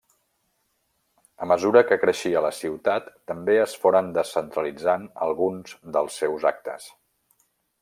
A mesura que creixia la ciutat, també es foren descentralitzant alguns dels seus actes.